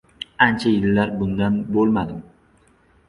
Ancha yillar bunda bo‘lmadim.